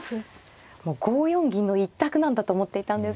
５四銀の１択なんだと思っていたんですけれども。